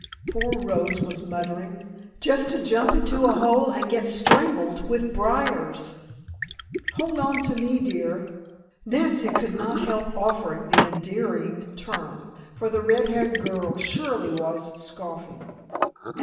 poor Rose was muttering. "Just to jump into a hole and get strangled with briars " "Hold on to me, dear." Nancy could not help offering the endearing term, for the red haired girl surely was scoffing.